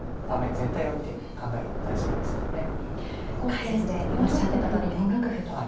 解説でおっしゃってたとおり４六歩と突きました。